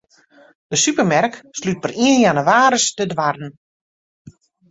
De supermerk slút per ien jannewaris de doarren.